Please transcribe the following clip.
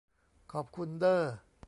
ขอบคุณเด้อ